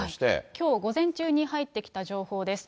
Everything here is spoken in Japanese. きょう午前中に入ってきた情報です。